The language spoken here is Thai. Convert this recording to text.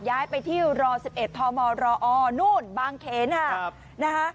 ย้ายไปที่ร๑๑ทมรอนู่นบางเขนค่ะนะคะ